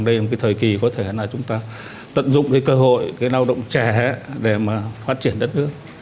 đây là một cái thời kỳ có thể là chúng ta tận dụng cái cơ hội cái lao động trẻ để mà phát triển đất nước